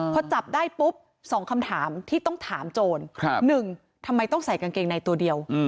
พอจับได้ปุ๊บ๒คำถามที่ต้องถามโจร๑ทำไมต้องใส่กางเกงในตัวเดียว